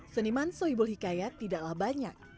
seniman sohibul hikayat tidaklah banyak